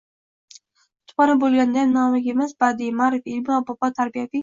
Kutubxona bo‘lgandayam nomiga emas, badiiy, ma’rifiy, ilmiy-ommabop, tarbiyaviy